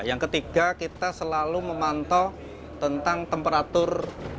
yang ketiga kita selalu memantau tentang temperatur